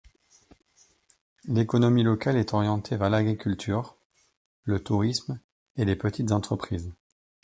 L’économie locale est orientée vers l’agriculture, le tourisme et les petites entreprises.